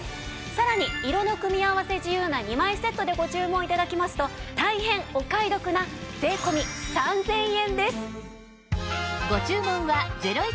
さらに色の組み合わせ自由な２枚セットでご注文頂きますと大変お買い得な税込３０００円です。